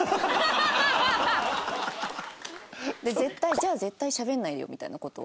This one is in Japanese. で絶対「じゃあ絶対しゃべんないでよ」みたいな事を。